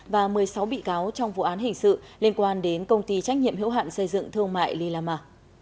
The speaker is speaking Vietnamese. và một mươi sáu bị cáo trong vụ án hình sự liên quan đến công ty trách nhiệm hữu hạn xây dựng thương mại lila ma